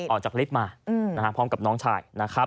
ออกจากฤทธิ์มาพร้อมกับน้องชาย